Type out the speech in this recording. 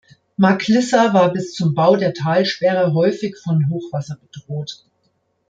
Marklissa war bis zum Bau der Talsperre häufig von Hochwasser bedroht.